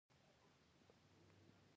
افغانستان کې د تالابونو په اړه زده کړه کېږي.